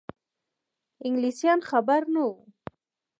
انګلیسیان خبر نه وه.